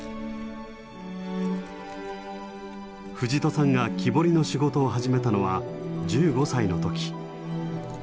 藤戸さんが木彫りの仕事を始めたのは１５歳の時。